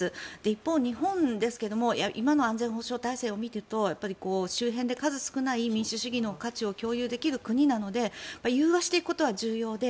一方、日本ですが今の安全保障体制を見ているとやっぱり、周辺で数少ない民主主義の価値を共有できる国なので融和していくことは重要で